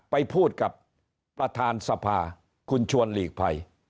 ไปพูดกับประธานสภาคุณชวนหลีกภัย